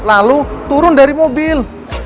lalu turun dari mobil